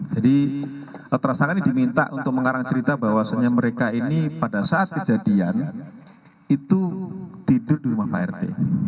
jadi tersangka ini diminta untuk mengarang cerita bahwasannya mereka ini pada saat kejadian itu tidur di rumah prt